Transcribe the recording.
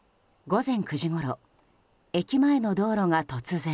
午前９時ごろ駅前の道路が突然。